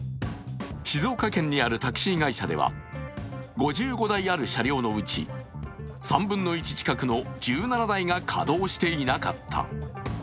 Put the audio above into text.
静岡県にあるタクシー会社には５５台ある車両のうち３分の１近くの１７台が稼働していなかった。